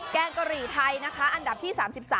แกงกะหรี่ไทยนะคะอันดับที่๓๓